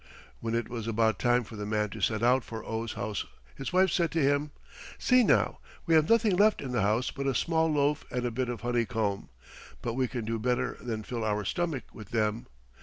When it was about time for the man to set out for Oh's house his wife said to him, "See now! we have nothing left in the house but a small loaf and a bit of honeycomb. But we can do better than fill our stomach with them.